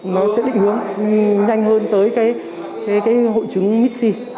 nó sẽ định hướng nhanh hơn tới cái hội chứng missi